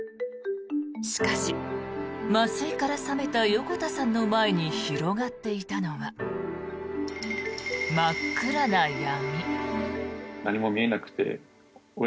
しかし、麻酔から覚めた横田さんの前に広がっていたのは真っ暗な闇。